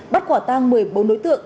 bắt quả tang một mươi bốn đối tượng